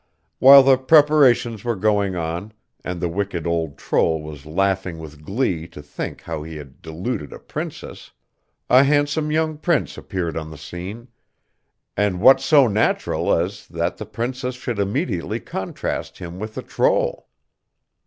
While the preparations were going on, and the wicked old troll was laughing with glee to think how he had deluded a princess, a handsome young prince appeared on the scene, and what so natural as that the princess should immediately contrast him with the troll.